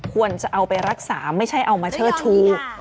ควรจะเอาไปรักษาไม่ใช่เอามาเชิดชู